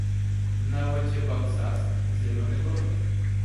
Новочебоксарск — зелёный город